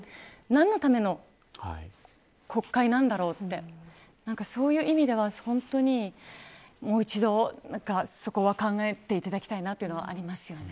何のための国会なんだろうみたいなそういう意味では、本当にもう一度そこは考えていただきたいなというのがありますね。